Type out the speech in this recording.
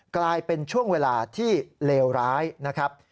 กลายเป็นช่วงเวลาที่เลวร้ายนะครับ